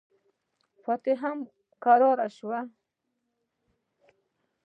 فتوا هم کراره سوه.